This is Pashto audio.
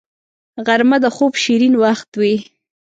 غرمه د خوب شیرین وخت وي